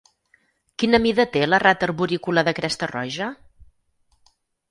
Quina mida té la rata arborícola de cresta roja?